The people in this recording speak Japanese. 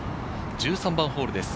１３番ホールです。